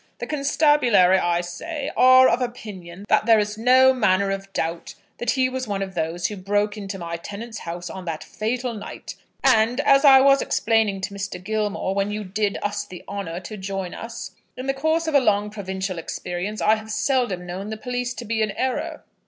The constabulary, I say, are of opinion that there is no manner of doubt that he was one of those who broke into my tenant's house on that fatal night; and, as I was explaining to Mr. Gilmore when you did us the honour to join us, in the course of a long provincial experience I have seldom known the police to be in error."